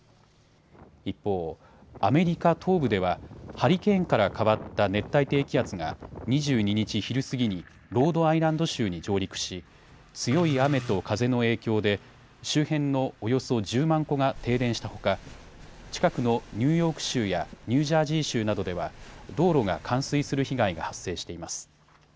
一方、アメリカ東部ではハリケーンから変わった熱帯低気圧が２２日昼過ぎにロードアイランド州に上陸し、強い雨と風の影響で周辺のおよそ１０万戸が停電したほか近くのニューヨーク州やニュージャージー州などでは道路が冠水する被害が発生しています。